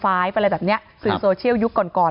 อะไรแบบนี้สื่อโซเชียลยุคก่อนก่อน